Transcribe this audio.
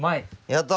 やった！